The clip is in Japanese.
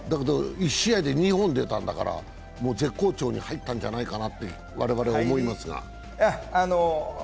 １試合で２本出たんだから、もう絶好調に入ったんじゃないかなと我々は思いますが。